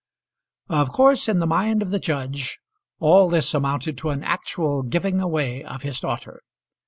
Of course in the mind of the judge all this amounted to an actual giving away of his daughter.